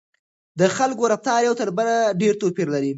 د خلکو رفتار یو تر بل ډېر توپیر لري.